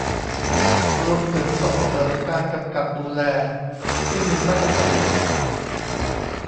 รวมถึงส่งเสริมการกำกับดูแลที่มีมาตรฐาน